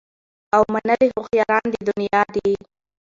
او منلي هوښیارانو د دنیا دي